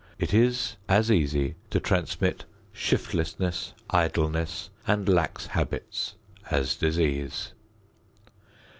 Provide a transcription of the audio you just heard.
It is as easy to transmit shiftlessness, idleness and lax habits as disease.